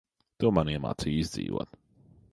Tu man iemācīji izdzīvot.